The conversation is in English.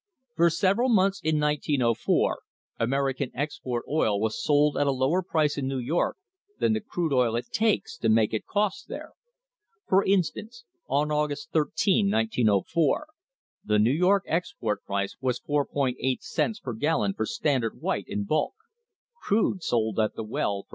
For several months in 1904 American export oil was sold at a lower price in New York than the crude oil it takes to make it costs there. For instance, on August 13, 1904, the New York export price was 4.80 cents per gallon for Standard white in bulk. Crude sold at the well for $1.